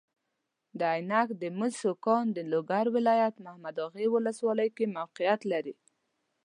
د عینک د مسو کان د لوګر ولایت محمداغې والسوالۍ کې موقیعت لري.